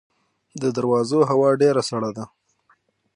د درواز هوا ډیره سړه ده